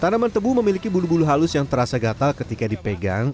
tanaman tebu memiliki bulu bulu halus yang terasa gatal ketika dipegang